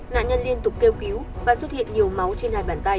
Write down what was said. nạn nhân liên tục kêu cứu và xuất hiện nhiều máu trên hai bàn tay